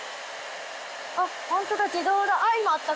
あっホントだ自動だ。